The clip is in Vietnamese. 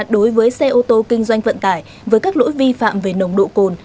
đối với xe ô tô kinh doanh vận tải với các lỗi vi phạm về nồng độ cồn